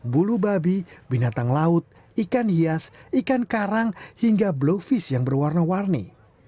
bulu babi binatang laut ikan hias ikan karang hingga bluefish yang berwarna warni